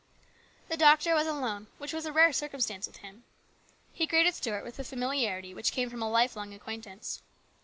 The doctor was alone, which was a rare circum stance with him. He greeted Stuart with the familiarity which came from a lifelong acquaintance.